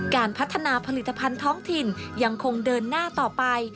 การพัฒนาผลิตภัณฑ์ท้องถิ่นยังคงเดินหน้าต่อไป